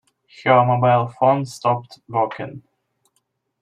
Her mobile phone stopped working.